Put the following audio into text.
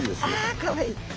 あかわいい！